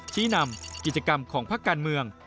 ชี้นำกิจกรรมของพักการเมือง